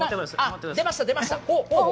出ました、出ました。